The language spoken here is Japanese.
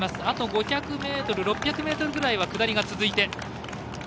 あと５００６００ｍぐらいは下りが続く。